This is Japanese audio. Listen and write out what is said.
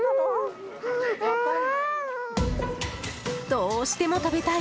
どうしても食べたい。